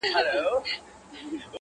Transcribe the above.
د رنځور لېوه ژړا یې اورېدله.!